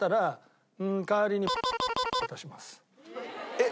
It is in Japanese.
えっ？